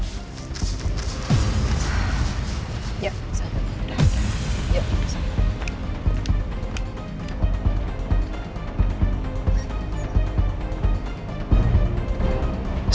ya saya akan datang